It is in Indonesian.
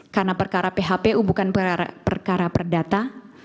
karena perkara phpu bukan perkara perdata